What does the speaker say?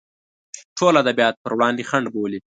ټول ادبیات پر وړاندې خنډ بولي.